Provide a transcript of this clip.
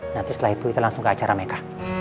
nanti setelah itu kita langsung ke acara mereka